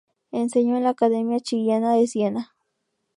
Enseñó en la Accademia Chigiana de Siena.